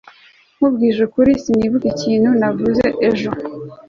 nkubwije ukuri, sinibuka ikintu navuze ejo